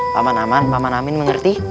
paman aman paman amin mengerti